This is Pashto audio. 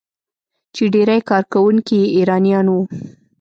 چې ډیری کارکونکي یې ایرانیان وو.